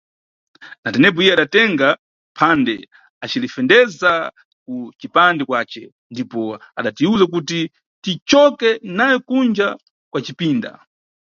Na tenepo, iye adatenga phande acilifendeza ku cipande kwace ndipo adatiwuza kuti ticoke naye kunja kwa cipinda.